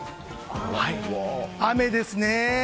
雨ですね。